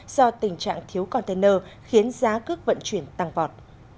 do tình trạng thiếu container khiến giá cước vận chuyển tăng vọt